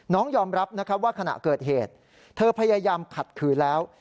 น้องยอมรับว่าขณะเกิดเหตุเธอพยายามขัดขืนแล้ว